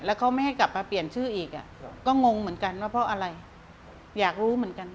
แล้วเขาไม่ให้กลับมาเปลี่ยนชื่ออีกก็งงเหมือนกันว่าเพราะอะไรอยากรู้เหมือนกัน